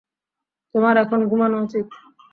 তোমার এখন ঘুমানো উচিত।